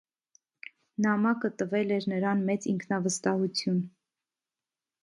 Նամակը տվել էր նրան մեծ ինքնավստահություն։